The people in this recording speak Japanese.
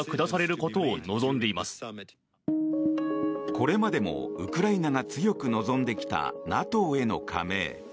これまでもウクライナが強く望んできたＮＡＴＯへの加盟。